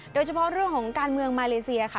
โดยเฉพาะเรื่องของการเมืองมาเลเซียค่ะ